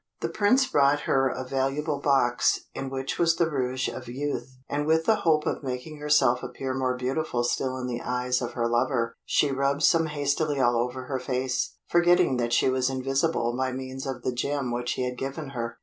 The Prince brought her a valuable box, in which was the Rouge of Youth; and with the hope of making herself appear more beautiful still in the eyes of her lover, she rubbed some hastily all over her face, forgetting that she was invisible by means of the gem which he had given her.